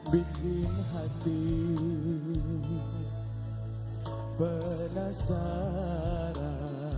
bikin hati penasaran